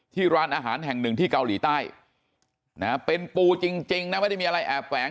ร้านอาหารแห่งหนึ่งที่เกาหลีใต้นะเป็นปูจริงนะไม่ได้มีอะไรแอบแฝง